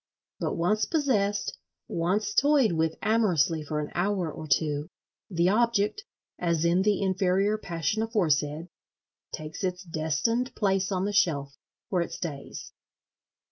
But once possessed, once toyed with amorously for an hour or two, the Object (as in the inferior passion aforesaid) takes its destined place on the shelf—where it stays.